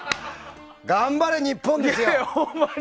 頑張れ、日本！ですよ。